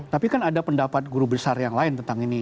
tapi kan ada pendapat guru besar yang lain tentang ini